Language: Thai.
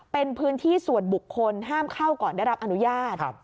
เป็นพื้นที่ส่วนบุคคลห้ามเข้าก่อนได้รับอนุญาต